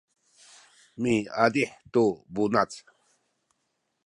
miazih tu bunac